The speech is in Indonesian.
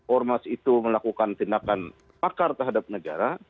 ormas itu melakukan tindakan pakar terhadap negara